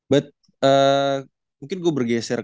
but mungkin gue bergeser